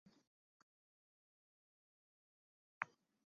其祭孔典礼仍遵循古八佾舞的传统。